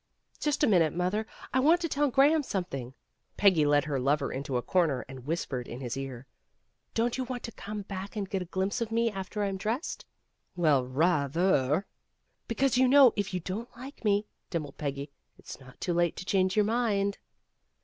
"Just a minute mother. 1 want to tell Graham something." Peggy led her lover into a corner and whispered in his ear, "Don't you A JULY WEDDING 319 want to come back and get a glimpse of me after I'm dressed/ r "Well rather." "Because you know, if you don't like me," dimpled Peggy, "it's not too late to change your mind.